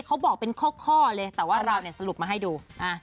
เขาบอกเป็นข้อเลยแต่ว่าเราเนี่ยสรุปมาให้ดู